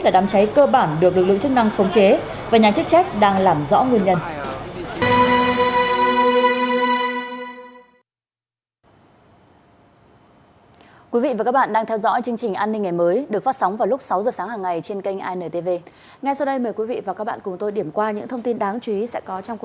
là đám cháy cơ bản được lực lượng chức năng khống chế